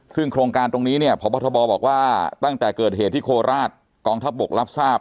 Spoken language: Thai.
ซึ่งโครงการตรงนี้เนี่ยพบทบบอกว่าตั้งแต่เกิดเหตุที่โคราชกองทัพบกรับทราบ